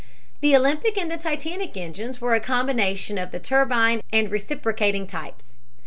The Olympic and Titanic engines were a combination of the turbine and reciprocating types.